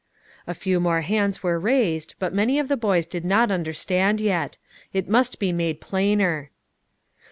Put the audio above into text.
A few more hands were raised, but many of the boys did not understand yet; it must be made plainer.